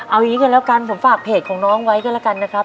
เอาอย่างนี้กันแล้วกันผมฝากเพจของน้องไว้ก็แล้วกันนะครับ